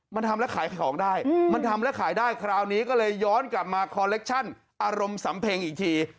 มันทำแล้วขายของได้มันทำแล้วขายได้คราวนี้ก็เลยย้อนกลับมาคอเล็กชั่นอารมณ์สำเพ็งอีกที